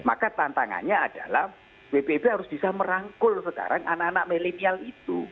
maka tantangannya adalah wpp harus bisa merangkul sekarang anak anak milenial itu